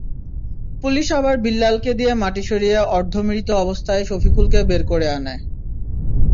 Police আবার বিল্লালকে দিয়ে মাটি সরিয়ে অর্ধমৃত অবস্থায় সফিকুলকে বের করে আনে।